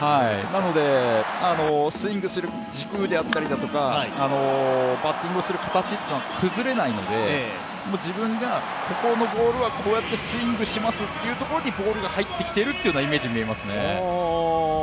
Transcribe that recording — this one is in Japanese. スイングする軸であったり、バッティングする形は崩れないので自分がこのボールはこうやってスイングしますというところにボールが入ってきているというイメージに見えますね。